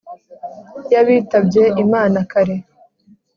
y'abitabye imana kare